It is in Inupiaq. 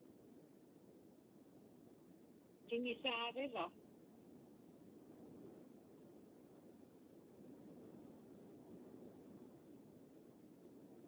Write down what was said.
Tiŋisaaġiva?